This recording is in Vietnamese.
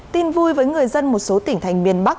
tin vui với người dân một số tỉnh thành miền bắc